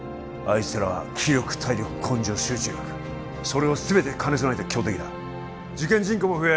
いつらは気力体力根性集中力それを全て兼ね備えてる強敵だ受験人口も増え